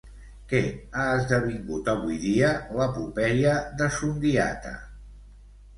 Què ha esdevingut avui dia l'Epopeia de Sundiata?